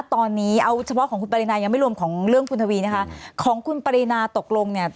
ตอนนี้เอาเฉพาะของคุณปรินายังไม่รวมของเรื่องคุณทวีนะคะของคุณปรินาตกลงเนี่ย